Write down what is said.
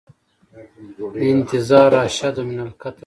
انتظار اشد من القتل دی